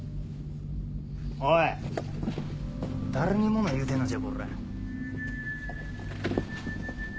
おい誰に物言うてんのじゃコラ。